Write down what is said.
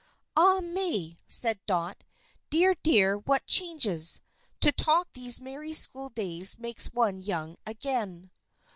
"Ah, May," said Dot. "Dear, dear, what changes! To talk of those merry school days makes one young again."